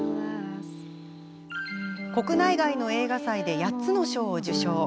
国内外の映画祭で８つの賞を受賞。